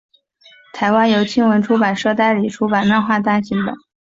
台湾由青文出版社代理出版漫画单行本。